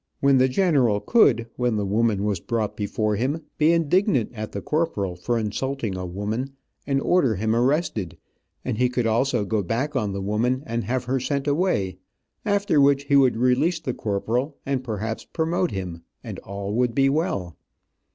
When the general could, when the woman was brought before him, be indignant at the corporal for insulting a woman, and order him arrested, and he could also go back on the woman, and have her sent away, after which he would release the corporal, and perhaps promote him, and all would be well.